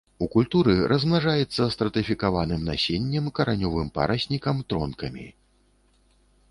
У культуры размнажаецца стратыфікаваным насеннем, каранёвым параснікам, тронкамі.